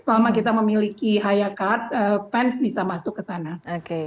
selama kita memiliki hayakart fans bisa masuk ke sana